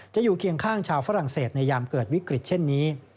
อยู่เคียงข้างชาวฝรั่งเศสในยามเกิดวิกฤตเช่นนี้